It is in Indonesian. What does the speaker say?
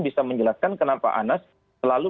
bisa menjelaskan kenapa anas selalu